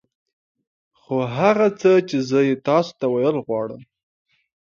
خو هغه څه چې زه يې تاسو ته ويل غواړم.